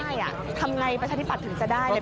ทำอย่างไรประชาธิปัตย์ถึงจะได้ในปีนี้